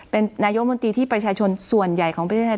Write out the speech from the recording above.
เป็นนายกมนตรีที่ประชาชนส่วนใหญ่ของประเทศไทย